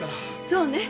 そうね！